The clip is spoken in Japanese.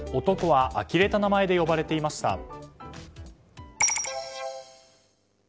男はあきれた名前で呼ばれていました。